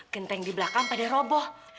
genteng di belakang pada roboh